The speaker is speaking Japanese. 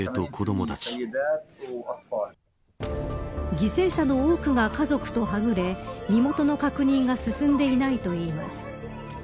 犠牲者の多くが家族とはぐれ身元の確認が進んでいないといいます。